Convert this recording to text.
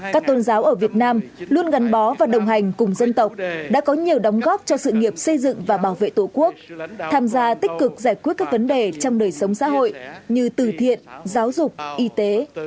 các tôn giáo ở việt nam luôn gắn bó và đồng hành cùng dân tộc đã có nhiều đóng góp cho sự nghiệp xây dựng và bảo vệ tổ quốc tham gia tích cực giải quyết các vấn đề trong đời sống xã hội như từ thiện giáo dục y tế